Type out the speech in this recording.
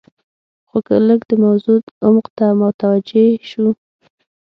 خو که لږ د موضوع عمق ته متوجې شو.